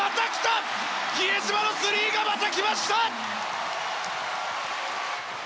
比江島のスリーがまたきました！